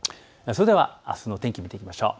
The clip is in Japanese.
それではあすの天気を見ていきましょう。